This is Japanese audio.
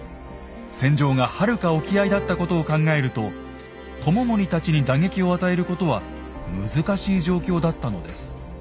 戦場がはるか沖合だったことを考えると知盛たちに打撃を与えることは難しい状況だったのです。